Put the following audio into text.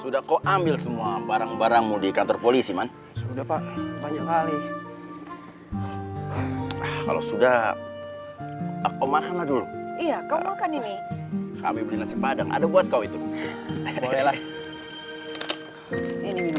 sudah kau ambil semua barang barangmu di kantor polisi man sudah pak banyak kali kalau sudah aku makanlah dulu iya kau akan ini kami beli nasi padang ada buat kau itulah